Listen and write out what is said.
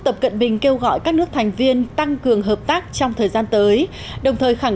đã đồng hành kêu gọi các nước thành viên tăng cường hợp tác trong thời gian tới đồng thời khẳng